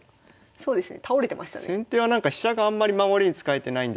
そうですね。